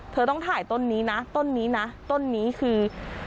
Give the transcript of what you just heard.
เธอต้องถ่ายต้นนี้นะต้นนี้นะต้นนี้คือ